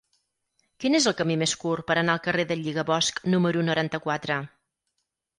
Quin és el camí més curt per anar al carrer del Lligabosc número noranta-quatre?